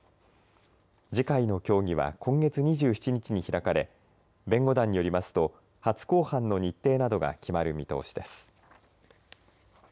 次回の協議は今月２７日に開かれ弁護団によりますと初公判の日程などが決まる見通しです。